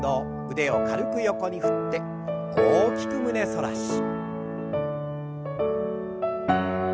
腕を軽く横に振って大きく胸反らし。